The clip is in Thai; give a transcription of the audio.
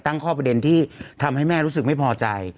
ตั้งข้อประเด็นที่ทำให้แม่รู้สึกไม่พอใจ